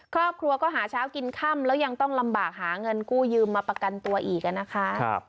ครอบครัวก็หาเช้ากินค่ำแล้วยังต้องลำบากหาเงินกู้ยืมมาประกันตัวอีกนะคะ